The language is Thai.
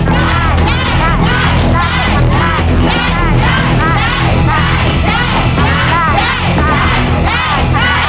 ภายในเวลา๓นาที